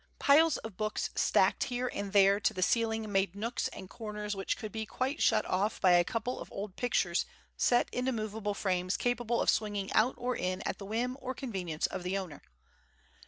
Piles of books stacked here and there to the ceiling made nooks and corners which could be quite shut off by a couple of old pictures set into movable frames capable of swinging out or in at the whim or convenience of the owner.